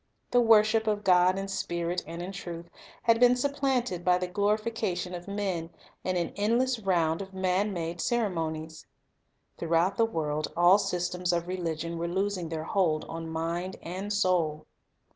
The wor ship of God "in Spirit and in truth," had been sup planted by the glorification of men in an endless round of man made ceremonies. Throughout the world, all systems of religion were losing their hold on mind and soul.